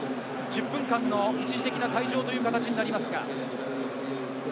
いったんは１０分間の一時的な退場という形になります。